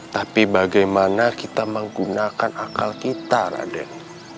tapi bagaimana kita menggunakan akal kita raden